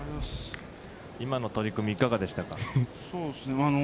今の取組、いかがでしたか？